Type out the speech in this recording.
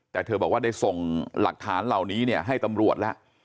แต่เธอบอกว่าได้ส่งหลักฐานเหล่านี้เนี่ยให้ตำรวจแล้ว